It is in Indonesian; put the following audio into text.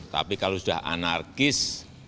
tapi kalau sudah anarkis